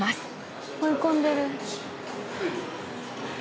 追い込んでる。